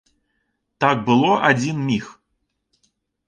Так было адзін міг.